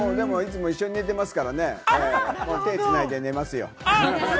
でもいつも一緒に寝てますからね、手をつないで寝ますよ。